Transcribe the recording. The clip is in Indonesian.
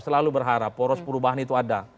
selalu berharap poros perubahan itu ada